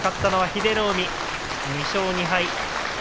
英乃海２勝２敗です。